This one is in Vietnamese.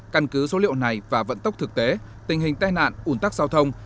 căn cứ số liệu này và vận tốc thực tế tình hình tai nạn ủn tắc giao thông